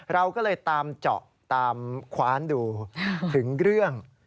เราก็เลยตามเจาะตามคว้านดูถึงเรื่อง